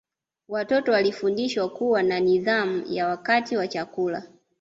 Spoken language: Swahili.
Watoto walifundishwa kuwa na nidhamu ya wakati wa chakula